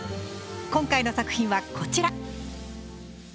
今回の作品はこちら！